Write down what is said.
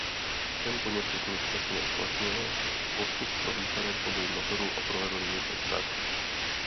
Ten poněkud nešťastně uplatnil postup pro výpadek obou motorů a provedl jejich restart.